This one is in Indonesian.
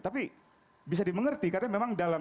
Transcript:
tapi bisa dimengerti karena memang dalam